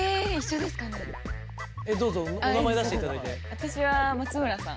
私は松村さん。